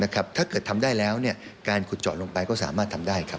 ถ้าเกิดทำได้แล้วการขุดเจาะลงไปก็สามารถทำได้ครับ